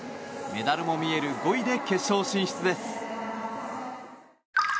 メダルも見える５位で決勝進出です。